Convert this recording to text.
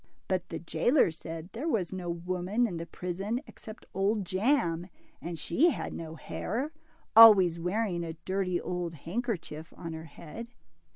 But the jailer said there was no woman in the prison except Old Jam, and she had no hair, always wearing a dirty old handkerchief on her head.